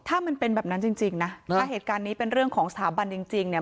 ถ้ามันเป็นแบบนั้นจริงนะถ้าเหตุการณ์นี้เป็นเรื่องของสถาบันจริงจริงเนี่ย